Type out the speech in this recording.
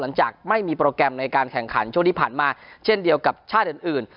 หลังจากไม่มีโปรแกรมในการแข่งขันช่วงที่ผ่านมาเช่นเดียวกับชาติอื่น